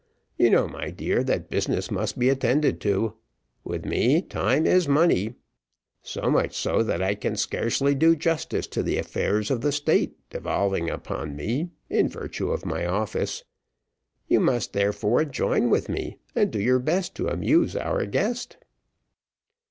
You know, my dear, that business must be attended to. With me, time is money; so much so, that I can scarcely do justice to the affairs of the state devolving upon me in virtue of my office. You must, therefore, join with me, and do your best to amuse our guest."